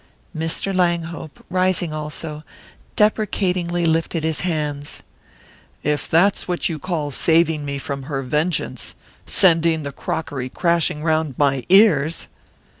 Mr. Langhope, rising also, deprecatingly lifted his hands, "If that's what you call saving me from her vengeance sending the crockery crashing round my ears!"